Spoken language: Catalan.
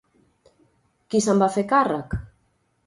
Qui se'n va fer càrrec?